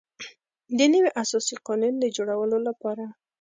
د نوي اساسي قانون د جوړولو لپاره.